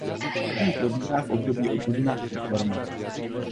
Tření probíhá v období od dubna do června.